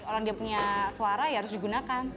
orang dia punya suara ya harus digunakan